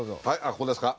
ここですか。